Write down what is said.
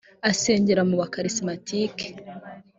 asengera mu bakarisimatike